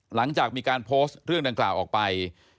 หลังจากมีการโพสต์เรื่องดังกล่าวออกไป